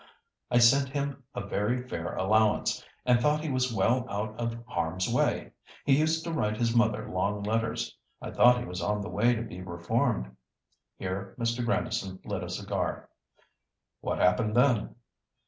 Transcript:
I sent him a very fair allowance, and thought he was well out of harm's way. He used to write his mother long letters; I thought he was on the way to be reformed." Here Mr. Grandison lit a cigar. "What happened then?"